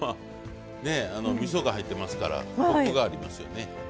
みそが入ってますからコクがありますよね。